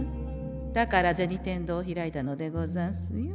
だから銭天堂を開いたのでござんすよ。